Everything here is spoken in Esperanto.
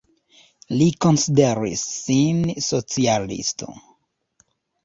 Li konsideris sin socialisto.